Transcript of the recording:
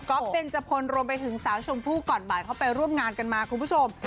เบนจพลรวมไปถึงสาวชมพู่ก่อนบ่ายเขาไปร่วมงานกันมาคุณผู้ชม